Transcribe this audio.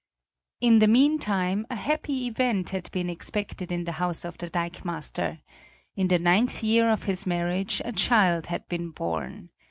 In the mean time a happy event had been expected in the house of the dikemaster: in the ninth year of his marriage a child had been born.